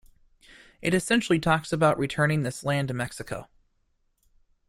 It essentially talks about returning this land to Mexico.